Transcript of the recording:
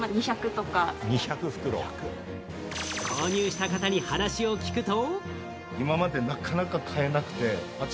購入した方に話を聞くと。